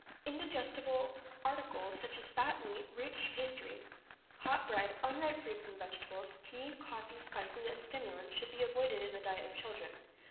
Indigestible articles, such as fat meat, rich pastry, hot bread, unripe fruit and vegetables, tea, coffee, spices, and stimulants, should be avoided in the diet of children.